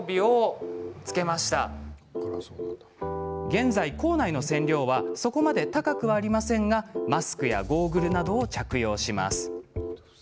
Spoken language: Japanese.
現在、構内の線量はそこまで高くはありませんがマスクやゴーグルなどを着用します。